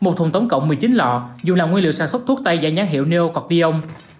một thùng tổng cộng một mươi chín lọ dùng làm nguyên liệu sản xuất thuốc tay giả nhán hiệu neocordion